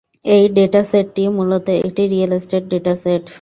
এই ডেটাসেটটি মূলত একটি রিয়েল এস্টেট ডেটাসেট।